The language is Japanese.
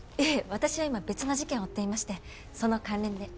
私は今別の事件を追っていましてその関連で。